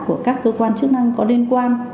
của các cơ quan chức năng có liên quan